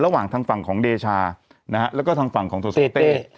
ระหว่างทางฝั่งของเดชาแล้วก็ทางฝั่งของตัวสาวเต้